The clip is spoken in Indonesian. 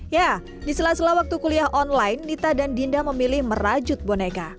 ya diselah selah waktu kuliah online nita dan dinda memilih merajut boneka